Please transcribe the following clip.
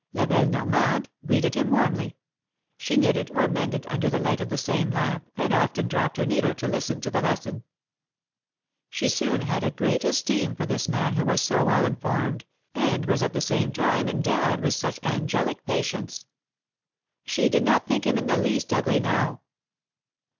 La belle Normande greeted him warmly ; she knitted or mended under the light of the same lamp, and often dropped her needle to listen to the lesson. She soon had a great esteem for this man who was so well informed, and was at the same time endowed with such angelic patience. She did not think him in the least ugly now.